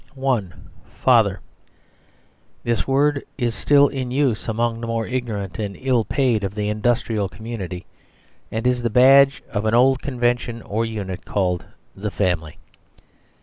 1. Father. This word is still in use among the more ignorant and ill paid of the industrial community; and is the badge of an old convention or unit called the family.